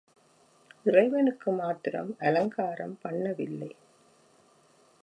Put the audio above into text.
இறைவனுக்கு மாத்திரம் அலங்காரம் பண்ணவில்லை.